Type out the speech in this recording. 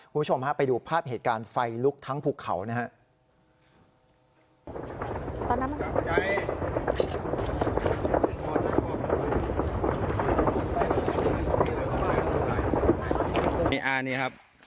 คุณผู้ชมฮะไปดูภาพเหตุการณ์ไฟลุกทั้งภูเขานะครับ